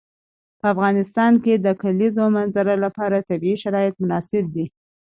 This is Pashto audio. په افغانستان کې د د کلیزو منظره لپاره طبیعي شرایط مناسب دي.